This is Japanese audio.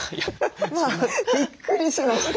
びっくりしました。